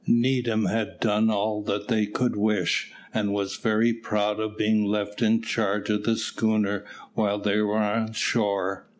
Needham had done all that they could wish, and was very proud of being left in charge of the schooner while they were on shore.